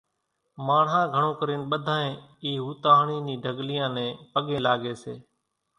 ماڻۿان گھڻو ڪرين ٻڌانئين اِي ھوتاۿڻي ني ڍڳليان نين پڳين لاڳي سي